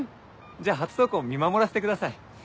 じゃあ初登校見守らせてください。